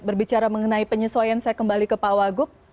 berbicara mengenai penyesuaian saya kembali ke pak wagub